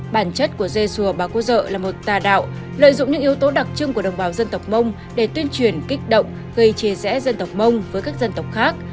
bản chất của dê sùa bà cô dợ là một tà đạo lợi dụng những yếu tố đặc trưng của đồng bào dân tộc mông để tuyên truyền kích động gây chia rẽ dân tộc mông với các dân tộc khác